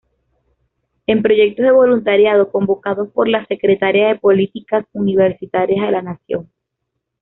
En proyectos de voluntariado convocados por la secretaria de Políticas Universitarias de la Nación.